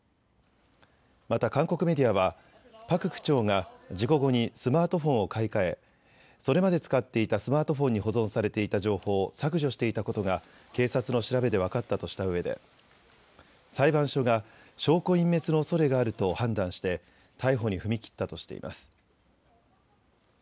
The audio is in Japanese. また韓国メディアはパク区長が事故後にスマートフォンを買い替え、それまで使っていたスマートフォンに保存されていた情報を削除していたことが警察の調べで分かったとしたうえで裁判所が証拠隠滅のおそれがあると判断して逮捕に踏み切ったとしています。